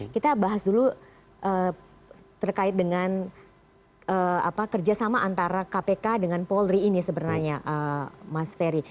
kita bahas dulu terkait dengan kerjasama antara kpk dengan polri ini sebenarnya mas ferry